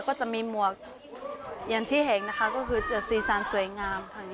ก็จะมีหมวกอย่างที่เห็นนะคะก็คือจะสีสันสวยงามค่ะ